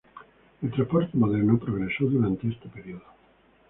El transporte moderno progresó durante este período.